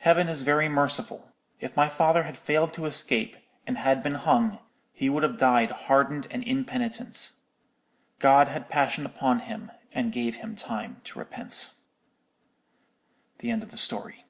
Heaven is very merciful. If my father had failed to escape, and had been hung, he would have died hardened and impenitent. God had compassion on him, and gave him time to repent.'" _(The end of the story.)